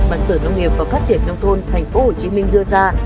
mà sở nông nghiệp và phát triển nông thôn tp hcm đưa ra